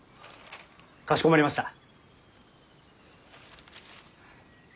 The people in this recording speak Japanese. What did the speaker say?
かしこまりました。